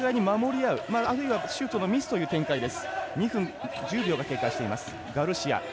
お互いに守りあうあるいはシュートのミスという展開です。